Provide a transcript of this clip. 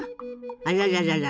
あらららら。